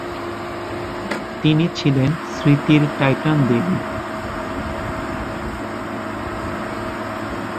তিনি ছিলেন স্মৃতির টাইটান দেবী।